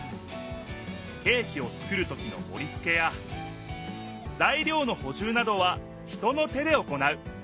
ケーキをつくる時のもりつけやざい料のほじゅうなどは人の手で行う。